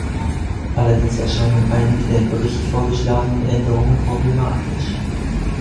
Allerdings erscheinen einige der im Bericht vorgeschlagenen Änderungen problematisch.